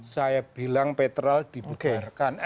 saya bilang petrol dibubarkan